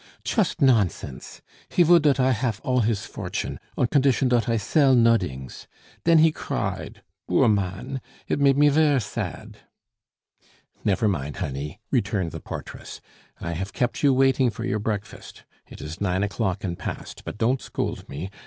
"Chust nonsense. He vould dot I haf all his fortune, on kondition dot I sell nodings. Den he cried! Boor mann! It made me ver' sad." "Never mind, honey," returned the portress. "I have kept you waiting for your breakfast; it is nine o'clock and past; but don't scold me.